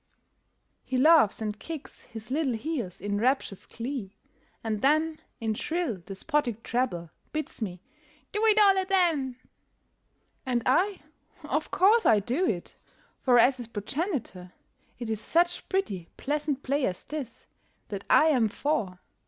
He laughs and kicks his little heels in rapturous glee, and then In shrill, despotic treble bids me "do it all aden!" And I of course I do it; for, as his progenitor, It is such pretty, pleasant play as this that I am for!